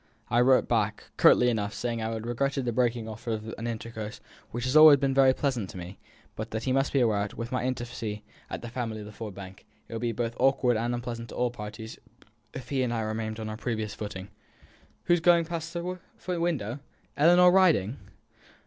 I wrote back, curtly enough, saying that I regretted the breaking off of an intercourse which had always been very pleasant to me, but that he must be aware that, with my intimacy with the family at Ford Bank, it would be both awkward and unpleasant to all parties if he and I remained on our previous footing. Who is that going past the window? Ellinor riding?"